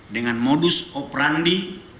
dengan modus operandi